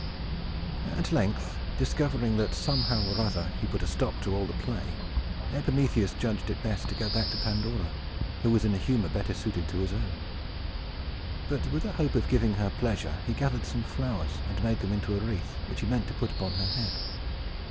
At length, discovering that, somehow or other, he put a stop to all the play, Epimetheus judged it best to go back to Pandora, who was in a humor better suited to his own. But, with a hope of giving her pleasure, he gathered some flowers, and made them into a wreath, which he meant to put upon her head.